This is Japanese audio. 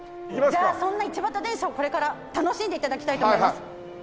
じゃあそんな一畑電車をこれから楽しんで頂きたいと思います。